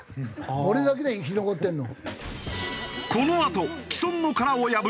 俺だけだよ生き残ってるの。